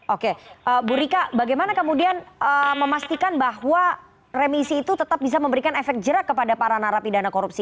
oke bu rika bagaimana kemudian memastikan bahwa remisi itu tetap bisa memberikan efek jerak kepada para narapidana korupsi